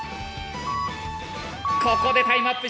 ここでタイムアップ。